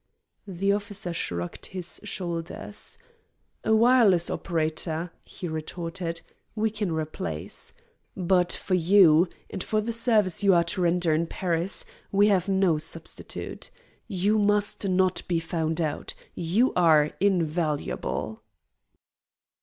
The officer shrugged his shoulders. "A wireless operator," he retorted, "we can replace. But for you, and for the service you are to render in Paris, we have no substitute. You must not be found out. You are invaluable."